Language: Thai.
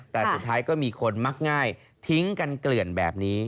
แต่สุดท้ายก็มีคนมักง่ายทิ้งกันเกลื่อนแบบนี้